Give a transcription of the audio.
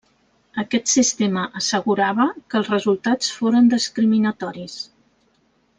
Aquest sistema assegurava que els resultats foren discriminatoris.